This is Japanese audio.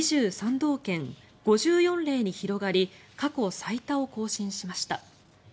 道県５４例に広がり過去最多を更新しました。